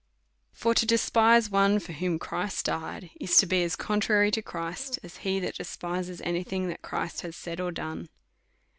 For to despise one for whom Christ died, is to be as contrary to Christ, as he that despises any thing that Christ has said, or done.